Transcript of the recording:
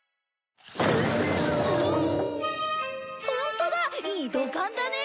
ホントだ！